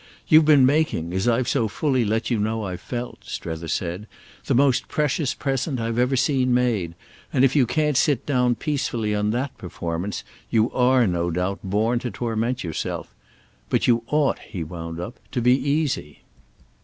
You've been making, as I've so fully let you know I've felt," Strether said, "the most precious present I've ever seen made, and if you can't sit down peacefully on that performance you are, no doubt, born to torment yourself. But you ought," he wound up, "to be easy."